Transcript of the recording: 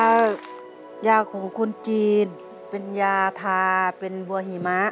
แล้วยาของคนจีนเป็นยาทาเป็นบัวหิมะ